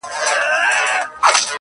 یوه ورخ مي زړه په شکر ګویا نه سو!